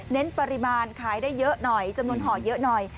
ปริมาณขายได้เยอะหน่อยจำนวนห่อเยอะหน่อย